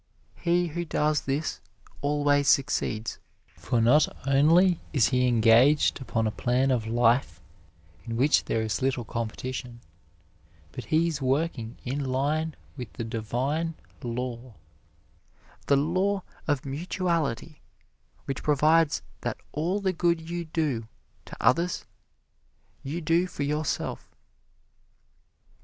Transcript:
He who does this always succeeds, for not only is he engaged upon a plan of life in which there is little competition, but he is working in line with a divine law, the law of mutuality, which provides that all the good you do to others, you do for yourself.